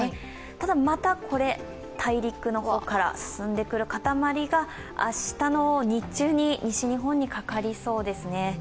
ただ、また大陸の方から進んでくる塊が、明日の日中に西日本にかかりそうですね。